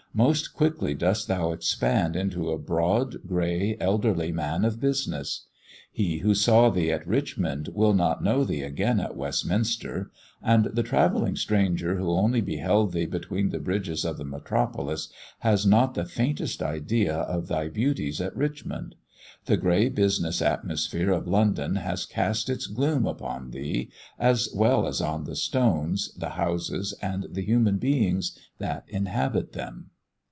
Most quickly dost thou expand into a broad, grey, elderly man of business. He who saw thee at Richmond will not know thee again at Westminster; and the travelling stranger who only beheld thee between the bridges of the metropolis has not the faintest idea of thy beauties at Richmond. The grey business atmosphere of London has cast its gloom upon thee, as well as on the stones, the houses, and the human beings that inhabit them.